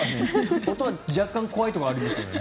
音は若干怖いところはありますね。